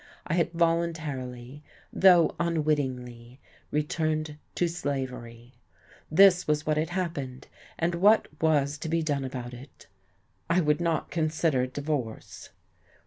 I had voluntarily, though unwittingly, returned to slavery. This was what had happened. And what was to be done about it? I would not consider divorce.